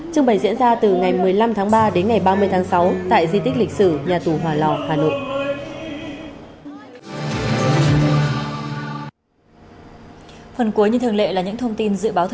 trưng bày diễn ra từ ngày một mươi năm tháng ba đến ngày ba mươi tháng sáu tại di tích lịch sử nhà tù hòa lò hà nội